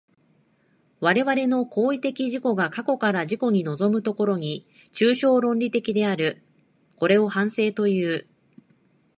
我々の行為的自己が過去から自己に臨む所に、抽象論理的である。これを反省という。